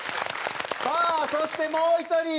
さあそしてもう１人。